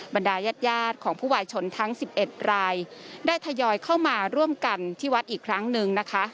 บรรดายาดของผู้วายชนทั้ง๑๑รายได้ทยอยเข้ามาร่วมกันที่วัดอีกครั้งหนึ่งนะคะ